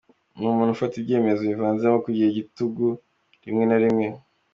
Ni umuntu ufata ibyemezo bivanzemo kugira igitugu rimwe na rimwe.